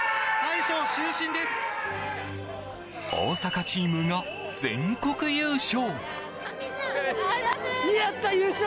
大阪チームが全国優勝。